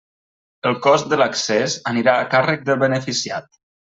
El cost de l'accés anirà a càrrec del beneficiat.